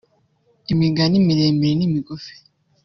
imigani miremire n’imigufi